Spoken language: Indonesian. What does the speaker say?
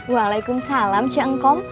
waalaikumsalam cie engkom